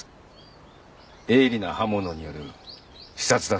鋭利な刃物による刺殺だそうです。